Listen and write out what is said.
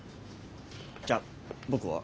じゃあ僕は。